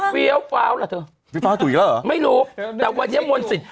พี่ฟ้าช่วยอีกแล้วหรอไม่รู้เราว่าแต่วันนี้มณศิษณ์